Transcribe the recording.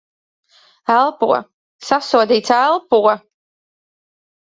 Elpo. Sasodīts. Elpo!